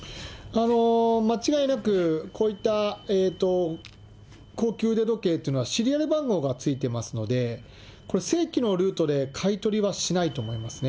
間違いなく、こういった高級腕時計というのはシリアル番号がついてますので、これ、正規のルートで買い取りはしないと思いますね。